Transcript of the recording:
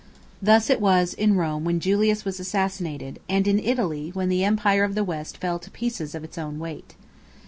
Thus it was in Rome when Julius was assassinated, and in Italy, when the empire of the west fell to pieces of its own weight.